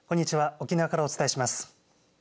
沖縄からお伝えします。